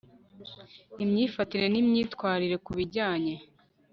imyifatire n'imyitwarire ku bijyanye